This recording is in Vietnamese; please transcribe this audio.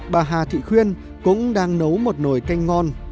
bà hà thị khuyên cũng đang nấu một nồi canh ngon